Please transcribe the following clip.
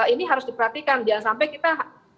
ini harus diperhatikan jangan sampai kita